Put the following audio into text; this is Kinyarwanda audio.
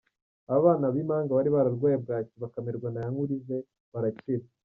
Aba bana b’impanga bari bararwaye Bwaki bakamirwa na Yankurije barakira.